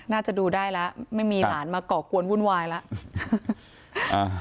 น่าจะดูได้แล้วไม่มีหลานมาก่อกวนวุ่นวายแล้ว